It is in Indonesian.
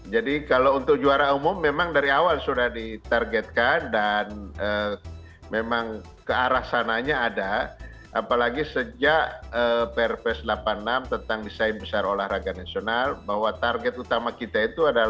jadi kalau untuk juara umum memang dari awal sudah ditargetkan dan memang kearasananya ada